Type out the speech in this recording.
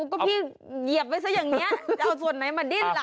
ก็พี่เหยียบไว้ซะอย่างนี้จะเอาส่วนไหนมาดิ้นล่ะ